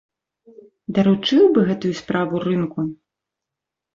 Даручыў бы гэтую справу рынку.